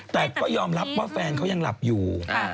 แต่ก็ยอมรับว่าแฟนเขายังหลับอยู่